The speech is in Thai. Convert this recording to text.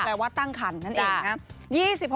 แปลว่าตั้งคันนั่นเองครับ